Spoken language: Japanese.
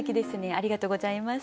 ありがとうございます。